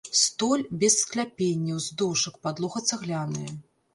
Столь без скляпенняў, з дошак, падлога цагляная.